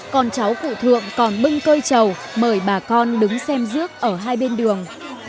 con cháu cụ thượng còn bưng cơi trầu mời bà con đứng xem rước ở hai bên đường